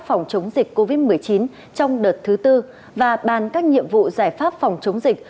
phòng chống dịch covid một mươi chín trong đợt thứ tư và bàn các nhiệm vụ giải pháp phòng chống dịch